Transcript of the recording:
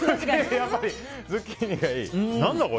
やっぱりズッキーニがいい。